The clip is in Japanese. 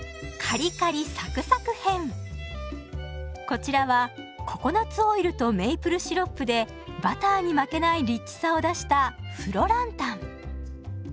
こちらはココナツオイルとメイプルシロップでバターに負けないリッチさを出したフロランタン。